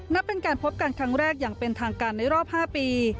นับเป็นการพบกันครั้งแรกอย่างเป็นทางการในรอบ๕ปี